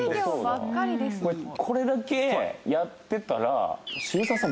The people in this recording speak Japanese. これだけやってたら渋沢さん